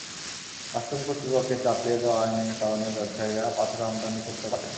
Custom কর্তৃপক্ষের চাপিয়ে দেওয়া আইনের কারণে ব্যবসায়ীরা পাথর আমদানি করতে পারছেন না।